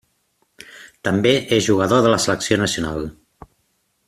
També és jugador de la selecció nacional.